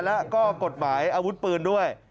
และก็กฎหมายอาวุธปืนด้วย